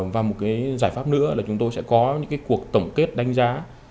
và một cái giải pháp nữa là chúng tôi sẽ có những cuộc tổng kết đánh giá